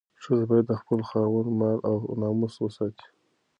ښځه باید د خپل خاوند مال او ناموس وساتي.